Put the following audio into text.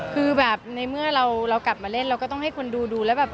คือแบบในเมื่อเรากลับมาเล่นเราก็ต้องให้คนดูดูแล้วแบบ